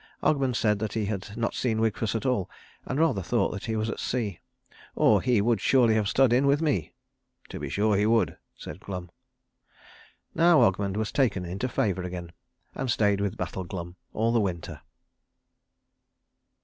Ogmund said that he had not seen Wigfus at all, and rather thought that he was at sea; "Or he would surely have stood in with me." "To be sure he would," said Glum. Now Ogmund was taken into favour again, and stayed with Battle Glum all the winter.